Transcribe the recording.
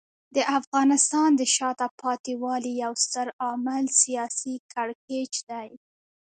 د افغانستان د شاته پاتې والي یو ستر عامل سیاسي کړکېچ دی.